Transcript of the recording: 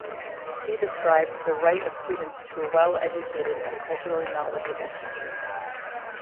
He described the right of students to a well-educated and culturally knowledgeable teacher.